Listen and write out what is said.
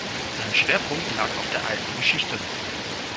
Sein Schwerpunkt lag auf der Alten Geschichte.